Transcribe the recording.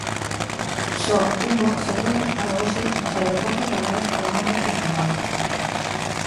Só un voo se viu afectado hoxe nos aeroportos galegos por mor do temporal.